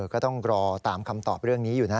ก็ต้องรอตามคำตอบเรื่องนี้อยู่นะ